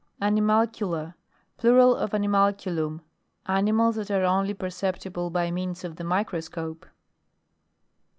AJVIMALCULA. Plural of animalcu lum animals that are only per ceptible by means of the micro scope.